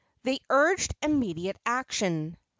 They urged immediate action.